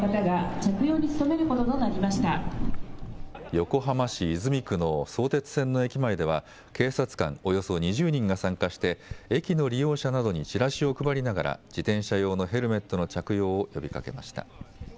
横浜市泉区の相鉄線の駅前では警察官およそ２０人が参加して駅の利用者などにチラシを配りながら自転車用のヘルメットの着用を呼びかけました。